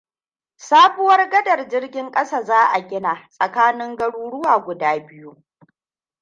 Sabuwar gaɗa na jirgin ƙasa za'a gina tsakanin garuruwa guda biyu.